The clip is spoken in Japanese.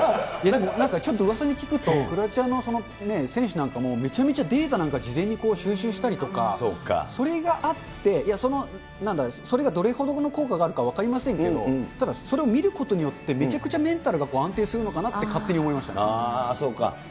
なんかちょっとうわさに聞くと、クロアチアの選手なんかも、めちゃめちゃデータなんか事前に収集したりとか、それがあって、それがどれほどの効果があるか分かりませんけど、ただ、それを見ることによって、めちゃくちゃメンタルが安定するのかなって、そうか。